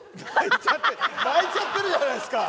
泣いちゃってるじゃないですか！